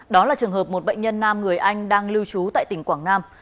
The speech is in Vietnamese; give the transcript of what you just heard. đó là trường hợp một bệnh nhân nam người anh đang lưu trú tại tỉnh quảng nam